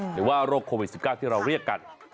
โรคโควิด๑๙ที่เราเรียกกัน